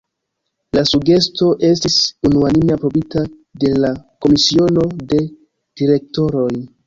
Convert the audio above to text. La sugesto estis unuanime aprobita de la Komisiono de direktoroj.